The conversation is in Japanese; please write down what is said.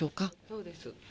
そうです。